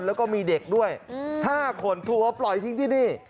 แล้วก็มีเด็กด้วยอืมห้าคนถือว่าปล่อยทิ้งที่นี่